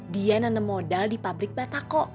dia nanam modal di pabrik batako